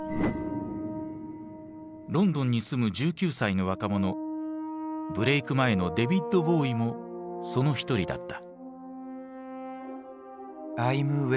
ロンドンに住む１９歳の若者ブレーク前のデヴィッド・ボウイもその一人だった。